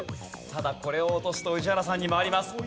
ただこれを落とすと宇治原さんに回ります。